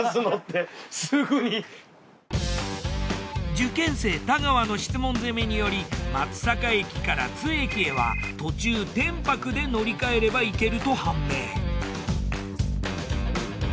受験生太川の質問攻めにより松阪駅から津駅へは途中天白で乗り換えれば行けると判明。